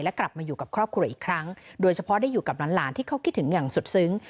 และกลับมาอยู่กับครอบครัวอีกครั้งโดยเฉพาะได้อยู่กับหลานที่เขาคิดถึงอย่างสุดซึ้ง